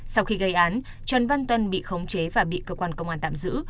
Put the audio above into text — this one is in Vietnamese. sau khi gây án trần văn tuân bị khống chế và bị cơ quan công an tạm giữ